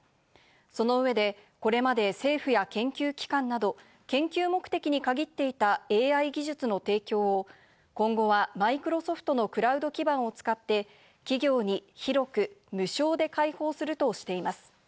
その上で、これまで政府や研究機関など、研究目的に限っていたＡＩ技術の提供を今後はマイクロソフトのクラウド基盤を使って企業に広く無償で開放するとしています。